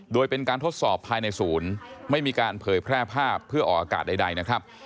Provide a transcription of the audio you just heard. โดยเป็นการทดสอบภายในศูนย์ไม่มีการเผยแพร่ภาพเพื่อออกอากาศใดนะครับ